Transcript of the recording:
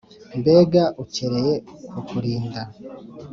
mbega ukereye kukurinda